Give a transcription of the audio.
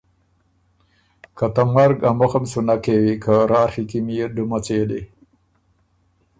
که ته مرګ ا مُخم سُو نک کېوی که راڒی کی ميې ډُمه څېلی۔